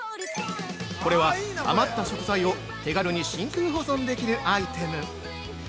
◆これは、余った食材を手軽に真空保存できるアイテム！